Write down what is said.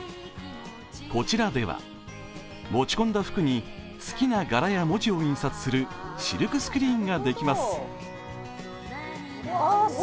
こちらでは持ち込んだ服に好きな柄や文字を印刷するシルクスクリーンができます。